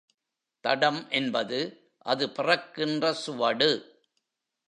தடம் என்பது அது பிறக்கின்ற சுவடு.